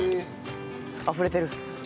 あふれてる。